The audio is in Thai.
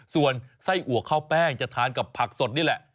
ส่วนไส้อัวข้าวแป้งจะทานกับผักสดนี่แหละ